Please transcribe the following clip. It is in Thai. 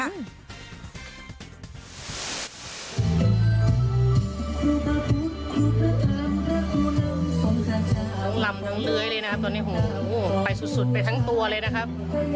ทั้งลำทั้งเลื้อยเลยนะตอนนี้โอ้โหไปสุดไปทั้งตัวเลยนะครับ